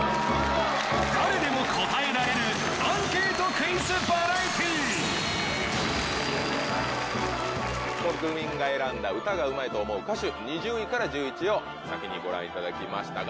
誰でも答えられるアンケートクイズバラエティー国民が選んだ歌がうまいと思う歌手２０位から１１位を先にご覧いただきましたが。